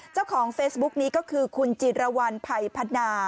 เจ้าของเฟซบุ๊กนี้ก็คือคุณจิรวรรณภัยพัฒนา